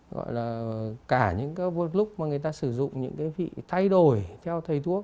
gọi là cả những cái lúc mà người ta sử dụng những cái vị thay đổi theo thầy thuốc